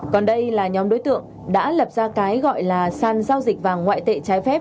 còn đây là nhóm đối tượng đã lập ra cái gọi là sàn giao dịch vàng ngoại tệ trái phép